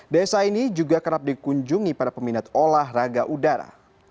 desa ini juga kerap dikunjungi para peminat olahraga udara